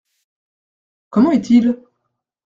Comment est-il ?